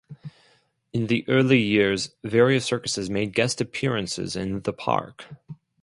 In the early years various circuses made guest appearances in the park.